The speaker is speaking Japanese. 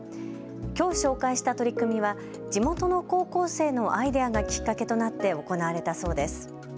きょう紹介した取り組みは地元の高校生のアイデアがきっかけとなって行われたそうです。